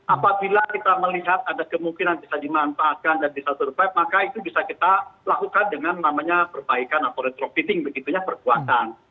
apabila kita melihat ada kemungkinan bisa dimanfaatkan dan bisa survive maka itu bisa kita lakukan dengan namanya perbaikan atau retropiting begitu ya perkuatan